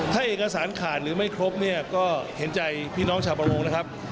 ถ้าเอกสารขาดหรือไม่ครบเนี่ยก็เห็นใจพี่น้องชาวประมงนะครับ